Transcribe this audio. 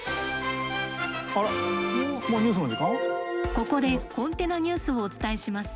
ここでコンテナニュースをお伝えします。